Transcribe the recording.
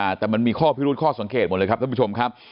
อ่าแต่มันมีข้อพิรุษข้อสังเกตหมดเลยครับท่านผู้ชมครับ